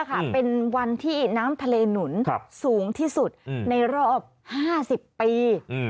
เป็นวันที่น้ำทะเลหนุนสูงที่สุดในรอบ๕๐ปี